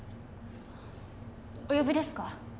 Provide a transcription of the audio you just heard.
お呼びですか？